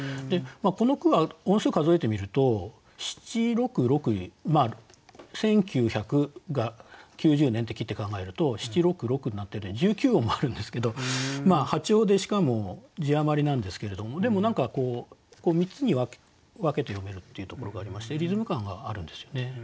この句は音数数えてみると七六六「せんきゅうひゃく」が「きゅうじゅうねん」って切って考えると七六六になってて１９音もあるんですけど破調でしかも字余りなんですけれどもでも何か３つに分けて読めるっていうところがありましてリズム感があるんですよね。